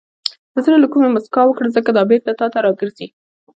• د زړه له کومې موسکا وکړه، ځکه دا بېرته تا ته راګرځي.